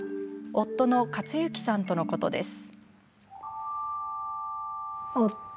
夫の一幸さんとのことです。